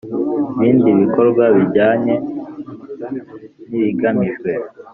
Bindi bikorwa bijyanye n ibigamijwe